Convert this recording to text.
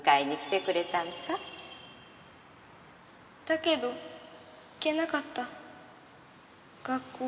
だけど行けなかった学校。